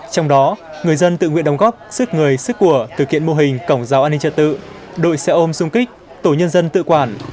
trong đó người dân tự nguyện đồng góp sức người sức của thực hiện mô hình cổng giao an ninh trật tự đội xe ôm xung kích tổ nhân dân tự quản